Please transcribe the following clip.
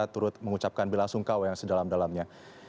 turut mengucapkan bila sungkau yang sedalam dalamnya